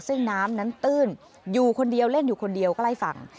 ซึ่งน้ำนั้นตื้นอยู่คนเดียวเล่นอยู่คนเดียวก็ไล่ฟัง